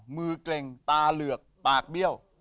เกร็งตาเหลือกปากเบี้ยว